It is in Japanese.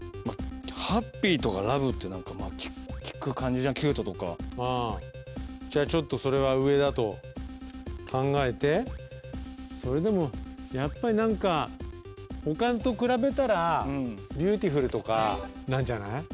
ｈａｐｐｙとかｌｏｖｅって何か聞く感じじゃんｃｕｔｅとかじゃあちょっとそれは上だと考えてそれでもやっぱり何か他と比べたらｂｅａｕｔｉｆｕｌとかなんじゃない？